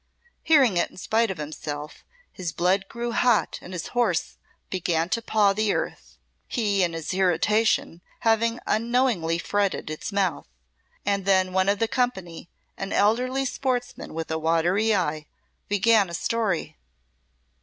Hearing it in spite of himself, his blood grew hot and his horse began to paw the earth, he, in his irritation, having unknowingly fretted its mouth. And then one of the company, an elderly sportsman with a watery eye, began a story.